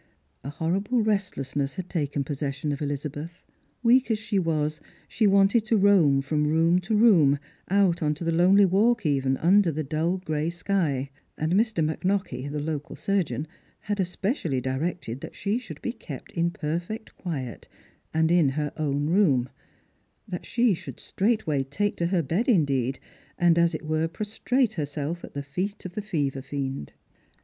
A hor rible restlessness had taken possession of EUzabeth. Weak as ehe was, she wanted to roam from room to room, out on to the lonely walk even, under the dull gray sky ; and Mr. McKnockie, the local surgeon, had especially directed that she should be kept in perfect quiet, and in her own room — that she should straight way take to her bed, indeed, and, as jt were, prostrate herself at the feet of the fever fiend.